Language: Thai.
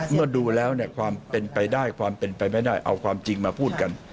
เมื่อดูแล้วเนี่ยความเป็นไปได้ความเป็นไปไม่ได้เอาความจริงมาพูดกัน